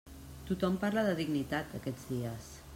Tothom parla de dignitat, aquests dies.